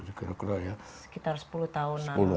sekitar sepuluh tahunan